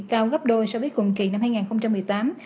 cao gấp đôi so với cùng kỳ năm hai nghìn một mươi tám